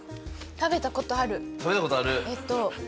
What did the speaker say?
食べたことある？